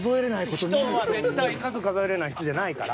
絶対数数えれない人じゃないから。